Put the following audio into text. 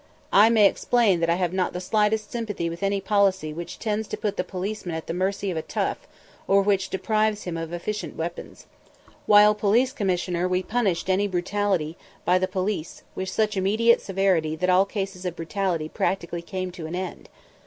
I may explain that I have not the slightest sympathy with any policy which tends to put the policeman at the mercy of a tough, or which deprives him of efficient weapons. While Police Commissioner we punished any brutality by the police with such immediate severity that all cases of brutality practically came to an end.